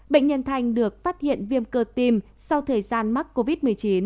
bệnh nhân thành được phát hiện viêm cơ tim sau thời gian mắc covid một mươi chín